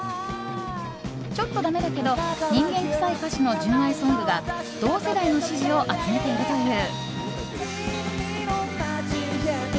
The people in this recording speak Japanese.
ちょっとだめだけど人間くさい歌詞の純愛ソングが同世代の支持を集めているという。